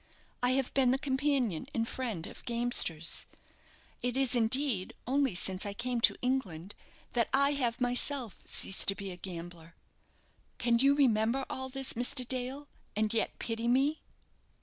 I have been the companion and friend of gamesters. It is, indeed, only since I came to England that I have myself ceased to be a gambler. Can you remember all this, Mr. Dale, and yet pity me?"